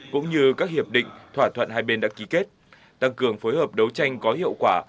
cũng như các hiệp định thỏa thuận hai bên đã ký kết tăng cường phối hợp đấu tranh có hiệu quả